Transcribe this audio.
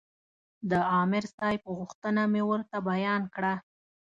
د عامر صاحب غوښتنه مې ورته بیان کړه.